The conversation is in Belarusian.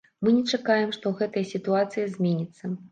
Мы не чакаем, што гэтая сітуацыя зменіцца.